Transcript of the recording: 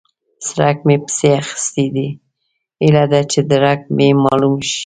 څرک مې پسې اخيستی دی؛ هيله ده چې درک يې مالوم شي.